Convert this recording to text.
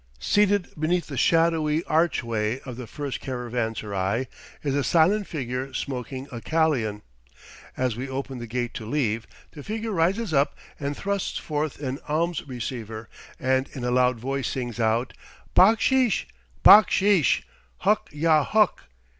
Seated beneath the shadowy archway of the first caravanserai is a silent figure smoking a kalian; as we open the gate to leave, the figure rises up and thrusts forth an alms receiver and in a loud voice sings out, "Backsheesh, backsheesh; huk yah huk!"